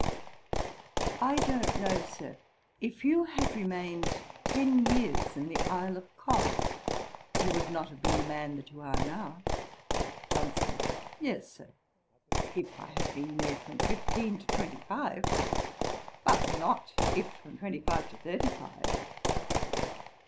'I don't know, Sir: if you had remained ten years in the Isle of Col, you would not have been the man that you now are.' JOHNSON. 'Yes, Sir, if I had been there from fifteen to twenty five; but not if from twenty five to thirty five.'